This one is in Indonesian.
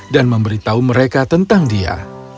dan memberitahu mereka tentang dia